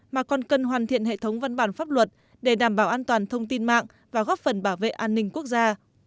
mà còn cần hoàn thiện hệ thống văn bản pháp luật để đảm bảo an toàn thông tin mạng và góp phần bảo vệ an ninh quốc gia